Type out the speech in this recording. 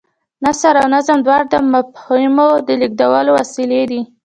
نثر او نظم دواړه د مفاهیمو د لېږدولو وسیلې دي.